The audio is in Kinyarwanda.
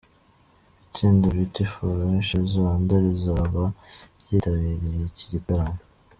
Itsinda Beauty For Ashes Rwanda rizaba ryitabiriye iki gitaramo.